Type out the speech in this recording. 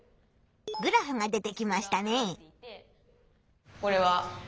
グラフが出てきましたね。